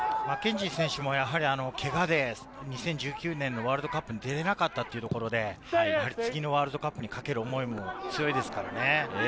マッケンジー選手もけがで２０１９年のワールドカップに出れなかったというところで、次のワールドカップにかける思いも強いですからね。